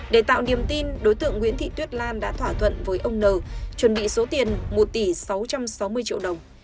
để tạo niềm tin đối tượng nguyễn thị tuyết lan đã thỏa thuận với ông n chuẩn bị số tiền một tỷ sáu trăm sáu mươi triệu đồng